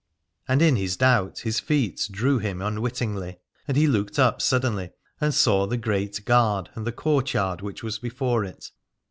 And in his doubt his feet drew him unwittingly, and he looked up suddenly and saw the Great Gard and the courtyard which was before it.